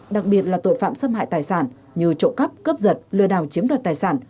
đặc biệt là tội phạm xâm hại tài sản như trộm cắp cướp giật lừa đảo chiếm đoạt tài sản